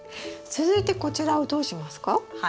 続いてこちらをどうしますか？